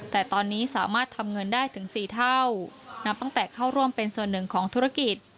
แต่ตอนนี้สามารถทำเงินได้ถึง๔เท่านับตั้งแต่เข้าร่วมเป็นส่วนหนึ่งของธุรกิจ